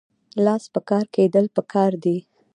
لاس په کار کیدل پکار دي